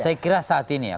saya kira saat ini ya